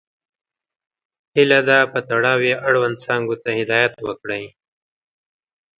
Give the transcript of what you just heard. هیله ده په تړاو یې اړوند څانګو ته هدایت وکړئ.